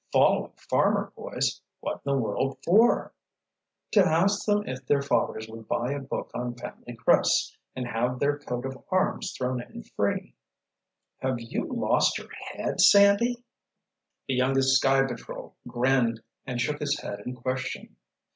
"Following farmer boys? What in the world for?" "To ask them if their fathers would buy a book on family crests and have their coat of arms thrown in free." "Have you lost your head, Sandy?" The youngest Sky Patrol grinned, and shook his head in question.